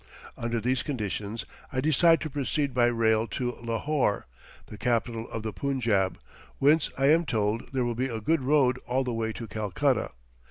Under these conditions I decide to proceed by rail to Lahore, the capital of the Punjab, whence, I am told, there will be a good road all the way to Calcutta.